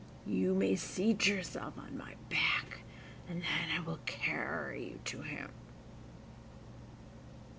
You may seat yourself on my back, and then I will carry you to him.".